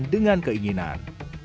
dan dengan keinginan